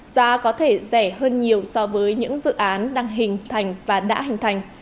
giá có thể rẻ hơn nhiều so với những dự án đang hình thành và đã hình thành